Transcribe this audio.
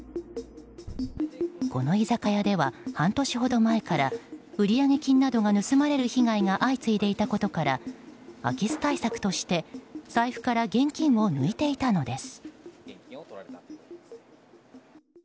この居酒屋では半年ほど前から売上金などが盗まれる被害が相次いでいたことから空き巣対策として財布から現金を抜いていたのです。